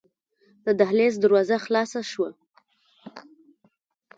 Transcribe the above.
د دهلېز دروازه خلاصه شوه.